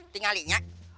tinggal ini nyak